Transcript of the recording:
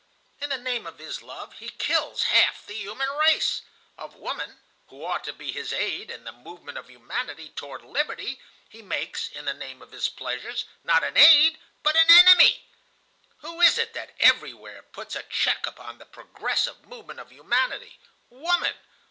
In the name of his love he kills half the human race. Of woman, who ought to be his aid in the movement of humanity toward liberty, he makes, in the name of his pleasures, not an aid, but an enemy. Who is it that everywhere puts a check upon the progressive movement of humanity? Woman.